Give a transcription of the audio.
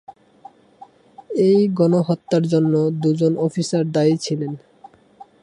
এই গণহত্যার জন্য দু'জন অফিসার দায়ী ছিলেন।